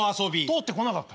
通ってこなかった？